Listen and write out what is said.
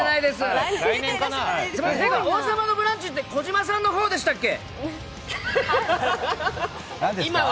「王様のブランチ」って児嶋さんの方でしたっけ？